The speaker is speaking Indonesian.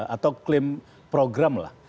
atau klaim program lah